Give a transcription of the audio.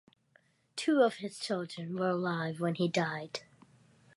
Two of his children were alive when he died.